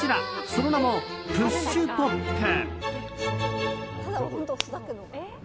その名もプッシュポップ。